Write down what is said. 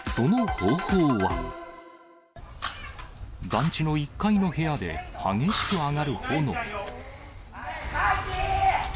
団地の１階の部屋で激しく上がる炎。